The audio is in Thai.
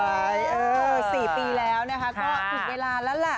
๔ปีแล้วนะคะก็ถึงเวลาแล้วแหละ